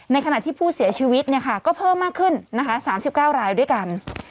ในขณะที่ผู้เสียชีวิตเนี่ยค่ะก็เพิ่มมากขึ้นนะคะสามสิบเก้ารายด้วยกัน